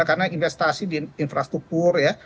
karena investasi di infrastruktur ya